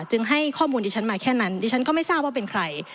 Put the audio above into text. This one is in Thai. จึงให้ข้อมูลดิฉันมาแค่นั้นดิฉันก็ไม่ทราบว่าเป็นใคร